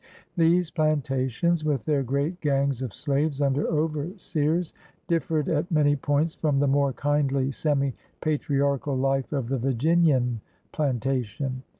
These plantations, with their great gangs of slaves under overseers, differed at many points from the more kindly, semi patriarchal life of the Virginian plantation.